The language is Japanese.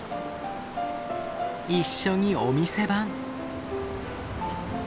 一緒にお店番。